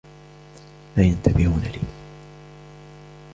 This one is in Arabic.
لا ينتبهون لي.